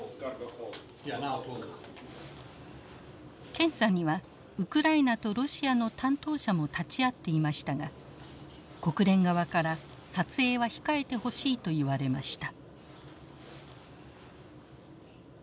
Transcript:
検査にはウクライナとロシアの担当者も立ち会っていましたが国連側から撮影は控えてほしいと言われました。